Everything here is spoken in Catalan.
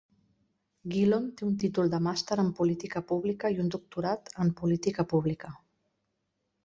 Gillon té un títol de màster en Política pública i un doctorat en Política pública.